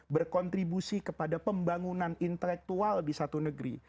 berkontribusi kepada pembangunan intelektual di satu negeri